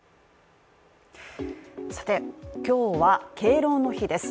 さて、今日は敬老の日です。